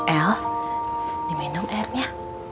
el diminum airnya